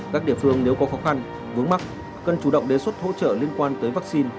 các địa phương nếu có khó khăn vướng mắt cần chủ động đề xuất hỗ trợ liên quan tới vaccine